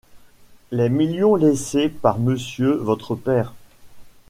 Les millions laissés par monsieur votre père...